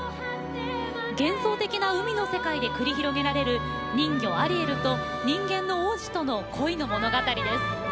幻想的な海の世界で繰り広げられる人魚アリエルと人間の王子との恋の物語です。